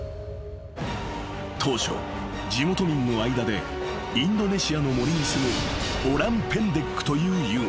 ［当初地元民の間でインドネシアの森にすむオランペンデックというＵＭＡ］